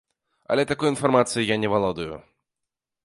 Але такой інфармацыяй я не валодаю.